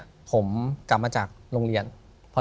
ถูกต้องไหมครับถูกต้องไหมครับ